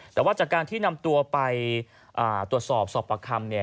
แต่ว่าจากการที่นำตัวไปตรวจสอบสอบประคำ